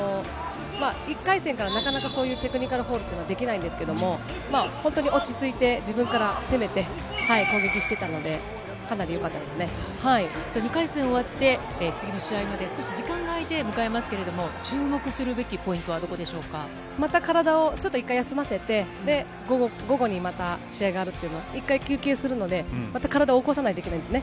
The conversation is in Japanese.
１回戦からなかなかそういうテクニカルフォールっていうのはできないんですけども、本当に落ち着いて、自分から攻めて、攻撃してたので、かなりよか２回戦終わって、次の試合まで少し時間が空いて迎えますけれども、注目するべきポまた体をちょっと一回休ませて、午後にまた、試合があるっていうのは、休憩するので、また体を起こさないといけないんですね。